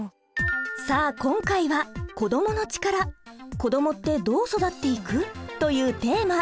さあ今回は「子どものチカラ子どもってどう育っていく？」というテーマ！